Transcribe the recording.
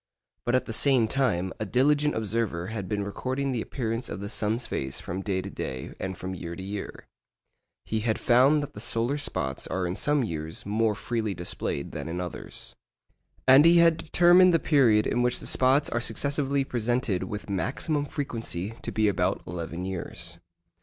But at the same time, a diligent observer had been recording the appearance of the sun's face from day to day and from year to year. He had found that the solar spots are in some years more freely displayed than in others. And he had determined the period in which the spots are successively presented with maximum frequency to be about eleven years.